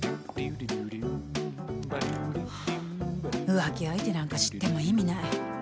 浮気相手なんか知っても意味ない。